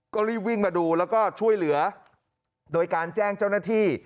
ก็รีบวิ่งมาดูแล้วก็ช่วยเหลือโดยการแจ้งเจ้าหน้าที่